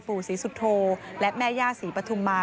ปู่ศรีสุโธและแม่ย่าศรีปฐุมมา